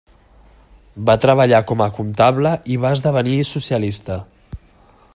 Va treballar com a comptable i va esdevenir socialista.